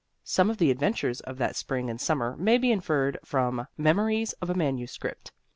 Some of the adventures of that spring and summer may be inferred from "Memories of a Manuscript."